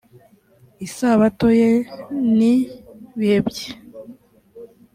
isabato ye n ibihe bye